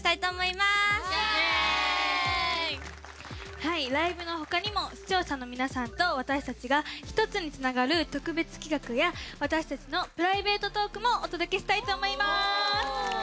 はいライブのほかにも視聴者の皆さんと私たちが一つにつながる特別企画や私たちのプライベートトークもお届けしたいと思います！